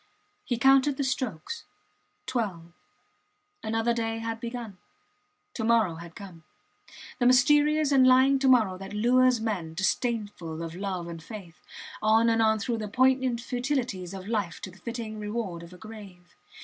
He counted the strokes. Twelve. Another day had begun. To morrow had come; the mysterious and lying to morrow that lures men, disdainful of love and faith, on and on through the poignant futilities of life to the fitting reward of a grave.